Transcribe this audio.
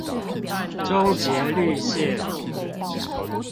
中捷綠線